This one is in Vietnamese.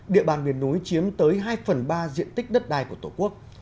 địa bàn miền núi chiếm tới hai phần ba diện tích đất đai của tổ quốc